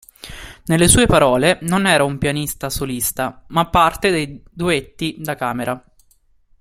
Nelle sue parole, non era un pianista solista, ma parte dei duetti da camera.